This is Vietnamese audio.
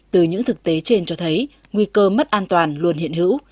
từ những thực tế trên cho thấy nguy cơ mất an toàn luôn hiện hữu